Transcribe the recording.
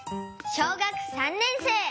小学３年生。